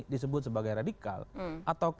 disebut sebagai radikal atau